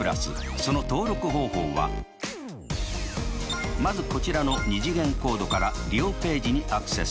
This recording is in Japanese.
その登録方法はまずこちらの２次元コードから利用ページにアクセス。